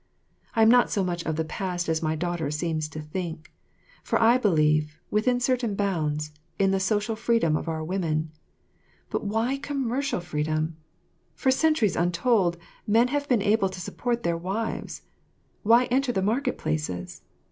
I am not so much of the past as my daughter seems to think; for I believe, within certain bounds, in the social freedom of our women; but why commercial freedom? For centuries untold, men have been able to support their wives; why enter the market places?